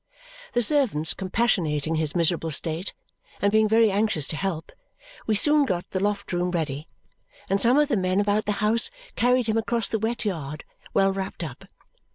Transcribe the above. The servants compassionating his miserable state and being very anxious to help, we soon got the loft room ready; and some of the men about the house carried him across the wet yard, well wrapped up.